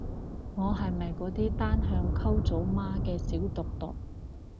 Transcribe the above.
我係咪嗰啲單向溝組媽嘅小毒毒